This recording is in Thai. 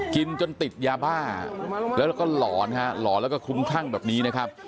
กินจนติดยาบ้าแล้วก็หลอนฮะหลอนแล้วก็คลุ้มคลั่งแบบนี้นะครับ